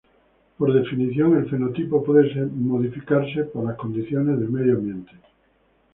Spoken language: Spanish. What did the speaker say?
Por definición, el fenotipo puede ser modificado por las condiciones del medio ambiente.